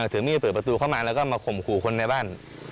ถือมีดเปิดประตูเข้ามาแล้วก็มาข่มขู่คนในบ้าน